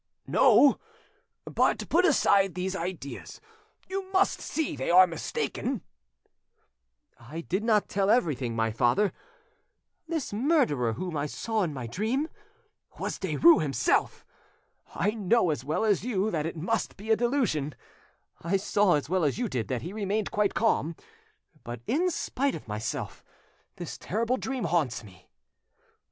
"No. But put aside these ideas; you must see they are mistaken." "I did not tell everything, my father: this murderer whom I saw in my dream—was Derues himself! I know as well as you that it must be a delusion, I saw as well as you did that he remained quite calm, but, in spite of myself, this terrible dream haunts me